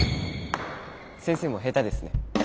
先生も下手ですね。